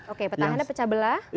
oke petahana pecah belah